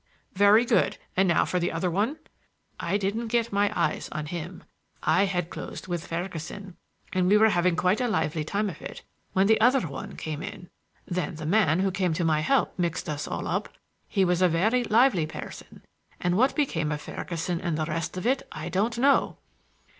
"Very good; and now for the other one." "I didn't get my eyes on him. I had closed with Ferguson and we were having quite a lively time of it when the other one came in; then the man who came to my help mixed us all up,—he was a very lively person,— and what became of Ferguson and the rest of it I don't know."